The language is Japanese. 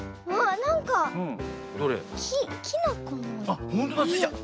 あっほんとだスイちゃん。